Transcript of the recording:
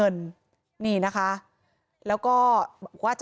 มีเรื่องอะไรมาคุยกันรับได้ทุกอย่าง